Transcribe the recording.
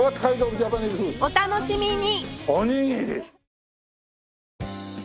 お楽しみに！